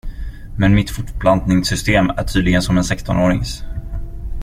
Men mitt fortplantningssystem är tydligen som en sextonårings.